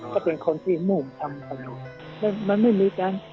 เขาเป็นคนที่มุ่งทำกัน